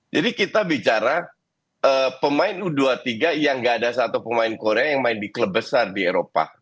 jadi kita bicara pemain u dua puluh tiga yang gak ada satu pemain korea yang main di klub besar di eropa